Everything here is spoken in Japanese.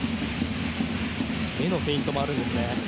目のフェイントもあるんですね。